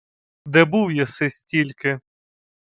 — Де був єси стільки?